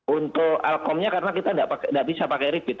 untuk alkomnya karena kita tidak bisa pakai ribet